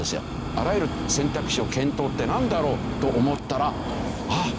「あらゆる選択肢を検討」ってなんだろう？と思ったらああ